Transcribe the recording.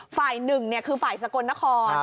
ฝ่ายหนึ่งคือฝ่ายสกลนคร